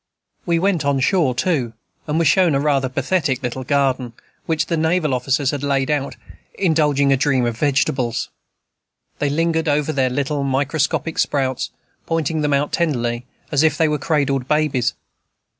We went on shore, too, and were shown a rather pathetic little garden, which the naval officers had laid out, indulging a dream of vegetables. They lingered over the little microscopic sprouts, pointing them out tenderly, as if they were cradled babies.